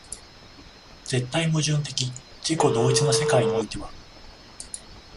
絶対矛盾的自己同一の世界においては、